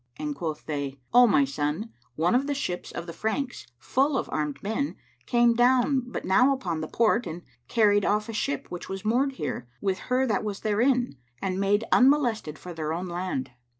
and quoth they, "O my son, one of the ships of the Franks, full of armed men, came down but now upon the port and carried off a ship which was moored here, with her that was therein, and made unmolested for their own land."